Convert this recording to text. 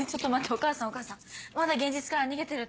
お母さんお母さんまだ現実から逃げてるって。